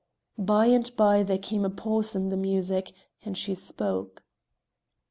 By and by there came a pause in the music, and she spoke.